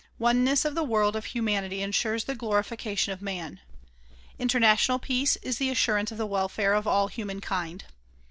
Oneness of the world of humanity insures the glorification of man. International peace is the assur ance of the welfare of all human kind.